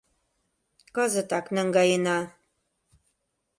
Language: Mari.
Кызытак наҥгаена...